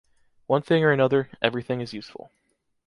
One thing or another, everything is useful.